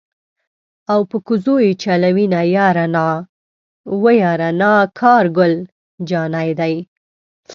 او په کوزو یې چلوینه یاره نا وه یاره نا کار ګل جانی دی.